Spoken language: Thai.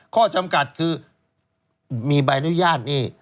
ข้อจำกัดคือมีใบอนุญาตนี่